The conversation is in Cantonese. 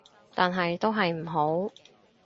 但係都係唔好